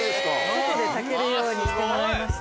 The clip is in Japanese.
外で炊けるようにしてもらいました。